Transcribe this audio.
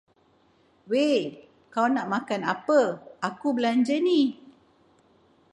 Wei, kau nak makan apa aku belanja ni.